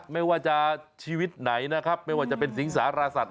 ไม่ว่าจะชีวิตไหนนะครับไม่ว่าจะเป็นสิงสารสัตว